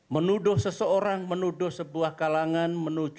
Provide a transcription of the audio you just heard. menuduh seseorang menuduh sebuah kalangan